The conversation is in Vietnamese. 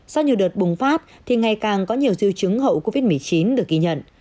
sau nhiều đợt bùng phát thì ngày càng có nhiều dư chứng hậu covid một mươi chín được ghi nhận